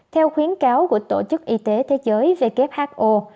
theo khuyến cáo của tổ chức y tế thế giới who